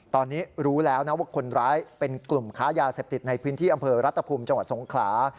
ตอนนี้รู้แล้วนะว่าคนร้ายเป็นกลุ่มค้ายาเสพติดในพื้นที่อำเภอรัตภูมิจังหวัดสงขลา